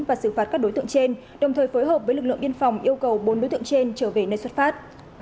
và xử phạt các đối tượng trên đồng thời phối hợp với lực lượng biên phòng yêu cầu bốn đối tượng trên trở về nơi xuất phát